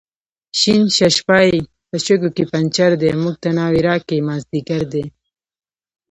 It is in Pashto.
شین ششپای په شګو کې پنچر دی، موږ ته ناوې راکئ مازدیګر دی